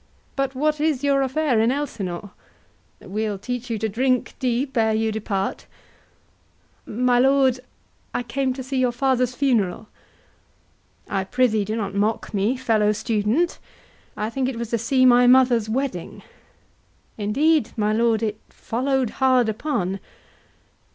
But what is your affair in Elsinore? We'll teach you to drink deep ere you depart. HORATIO. My lord, I came to see your father's funeral. HAMLET. I prithee do not mock me, fellow student. I think it was to see my mother's wedding. HORATIO. Indeed, my lord, it follow'd hard upon.